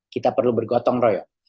kita perlu bergotong royong